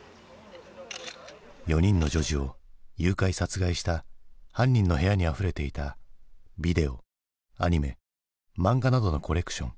４人の女児を誘拐・殺害した犯人の部屋にあふれていたビデオアニメ漫画などのコレクション。